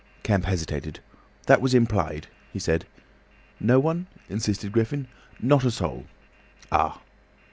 Kemp hesitated. "That was implied," he said. "No one?" insisted Griffin. "Not a soul." "Ah!